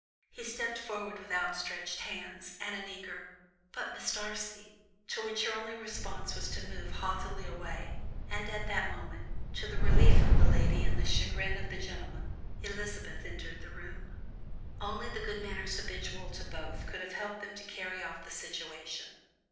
He stepped forward with outstretched hands, and an eager, "But, Miss Darcy " to which her only response was to move haughtily away, and at that moment, to the relief of the lady and the chagrin of the gentleman, Elizabeth entered the room. Only the good manners habitual to both could have helped them to carry off the situation.